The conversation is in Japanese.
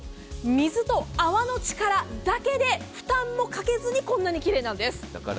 水と泡の力だけで負担もかけずにこんなに奇麗なんです。